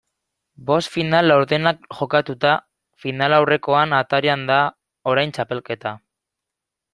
Bost final laurdenak jokatuta, finalaurrekoen atarian da orain txapelketa.